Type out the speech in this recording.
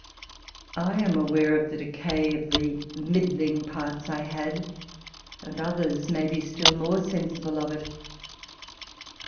I am aware of the decay of the middling parts I had, and others may be still more sensible of it.